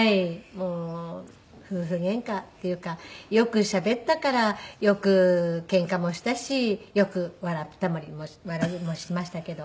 もう夫婦ゲンカっていうかよくしゃべったからよくケンカもしたしよく笑いもしましたけど。